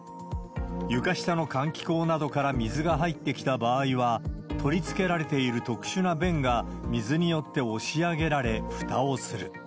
床下の換気口などから水が入ってきた場合は、取り付けられている特殊な弁が水によって押し上げられ、ふたをする。